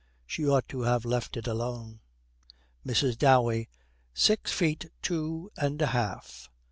She ought to have left it alone. MRS. DOWEY. 'Six feet two and a half.'